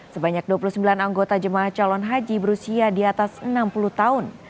sebanyak dua puluh sembilan anggota jemaah calon haji berusia di atas enam puluh tahun